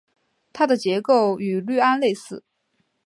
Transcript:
它的结构与氯胺类似。